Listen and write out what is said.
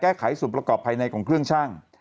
แก้ไขส่วนประกอบภายในของเครื่องชั่ง